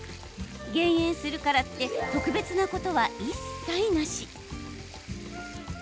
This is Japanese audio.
減塩するからって特別なことは一切なし。